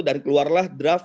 dan keluarlah draft enam